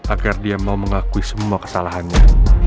agar dia mau mengakui semua kesalahannya